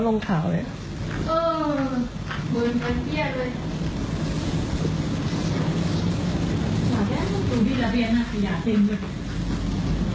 หลังจากนั้นตรงนี้ระเบียงน่ะสย่าเต็มด้วย